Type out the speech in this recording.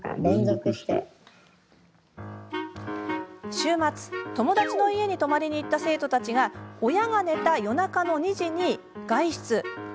週末、友達の家に泊まりに行った生徒たちが親が寝た夜中の２時に外出。